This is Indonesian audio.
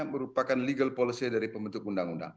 merupakan legal policy dari pembentuk undang undang